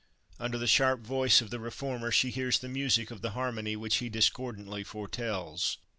Under the sharp voice of the reformer she hears the music of the harmony which he discordantly foretells.